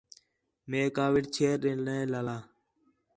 مئے کاوِڑ چھیر ݙے نے لالا